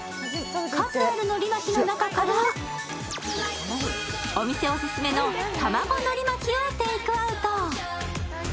数あるのり巻きの中からお店オススメの玉子のり巻をテイクアウト。